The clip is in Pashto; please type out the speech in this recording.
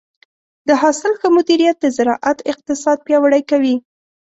د حاصل ښه مدیریت د زراعت اقتصاد پیاوړی کوي.